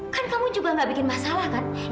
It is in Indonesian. kan kamu juga gak bikin masalah kan